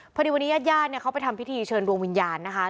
พอดีวันนี้ญาติญาติเนี่ยเขาไปทำพิธีเชิญดวงวิญญาณนะคะ